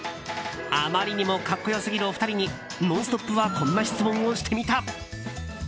あまりにも格好良すぎるお二人に「ノンストップ！」はこんな質問をしてみた。